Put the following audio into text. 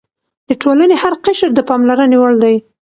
د ټولنې هر قشر د پاملرنې وړ دی.